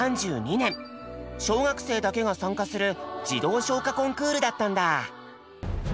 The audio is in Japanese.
小学生だけが参加する「児童唱歌コンクール」だったんだ。